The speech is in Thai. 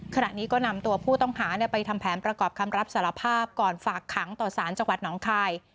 ขณะนี้ก็นำตัวผู้ต้องหาไปทำแผนประกอบคำรับสารภาพก่อนฝากขังต่อสารจังหวัดหนองคาย